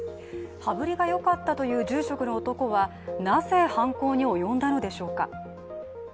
羽振りがよかったという住職の男はなぜ犯行に及んだのでしょうか。